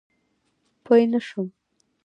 پوی نه شوم.